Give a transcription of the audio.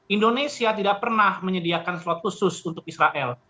indonesia tidak pernah menyediakan slot khusus untuk israel